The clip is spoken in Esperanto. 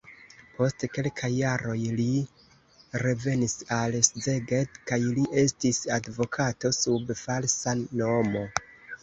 Post kelkaj jaroj li revenis al Szeged kaj li estis advokato sub falsa nomo.